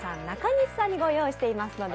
中西さんにご用意しております